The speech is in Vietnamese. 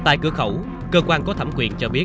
tại cửa khẩu cơ quan có thẩm quyền cho biết